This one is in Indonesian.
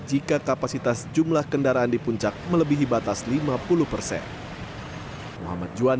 jika kapasitas jumlah kendaraan di puncak melebihi batas lima puluh persen